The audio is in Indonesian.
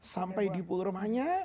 sampai di puluh rumahnya